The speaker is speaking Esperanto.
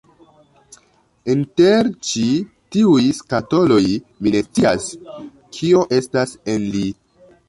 Inter ĉi tiuj skatoloj, mi ne scias kio estas en ili